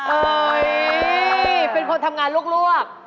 เอ้ยเป็นคนทำงานลวก